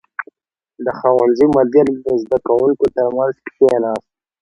• د ښوونځي مدیر د زده کوونکو تر منځ کښېناست.